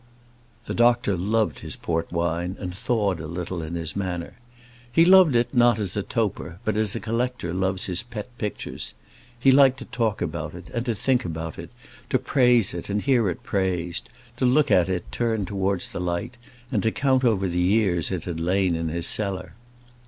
The doctor loved his port wine, and thawed a little in his manner. He loved it not as a toper, but as a collector loves his pet pictures. He liked to talk about it, and think about it; to praise it, and hear it praised; to look at it turned towards the light, and to count over the years it had lain in his cellar.